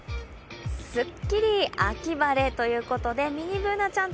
すっきり秋晴れということでミニＢｏｏｎａちゃん